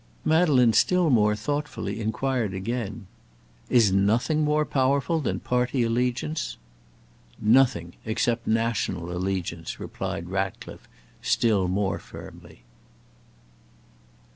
Madeleine still more thoughtfully inquired again: "Is nothing more powerful than party allegiance?" "Nothing, except national allegiance," replied Ratcliffe, still more firmly.